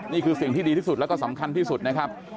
นี่คือสิ่งที่ดีที่สุดแล้วก็สำคัญที่สุดนะครับ